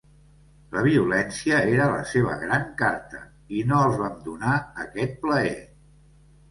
La violència era la seva gran carta i no els vam donar aquest plaer.